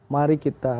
mari kita tahan dulu